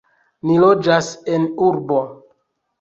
Ni loĝas en urbo.